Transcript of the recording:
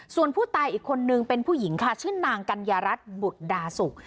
ส่วนผู้ตายอีกคนนึงเป็นผู้หญิงค่ะชื่อนางกัญญารัฐบุตรดาสุก